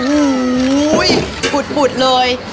อุ้ยปุดเลย